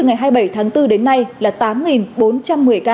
từ ngày hai mươi bảy tháng bốn đến nay là tám bốn trăm một mươi ca